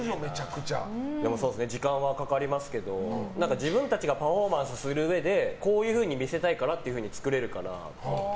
時間はかかりますけど自分たちがパフォーマンスするうえでこういうふうに見せたいからって作れるから。